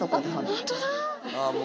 本当だ！